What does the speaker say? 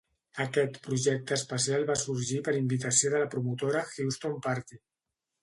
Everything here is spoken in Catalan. Aquest projecte especial va sorgir per invitació de la promotora Houston Party.